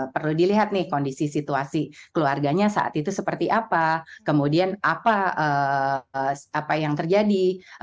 perlu dilihat nih kondisi situasi keluarganya saat itu seperti apa kemudian apa yang terjadi